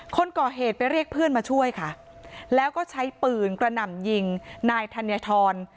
คนก่อเหตุไปเรียกเพื่อนมาช่วยค่ะแล้วก็ใช้ปืนกระหน่ำยิงนายธัญฑร